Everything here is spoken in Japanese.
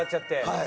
はい。